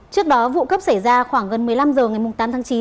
trước đó vụ cấp xảy ra khoảng gần một mươi năm h ngày tám tháng chín